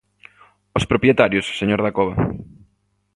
Os propietarios, señor Dacova.